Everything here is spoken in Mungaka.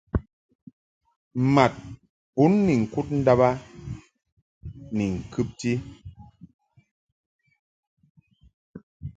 Mad bun ni ŋkud ndàb a ni ŋkɨbti.